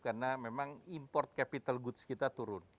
karena memang import capital goods kita turun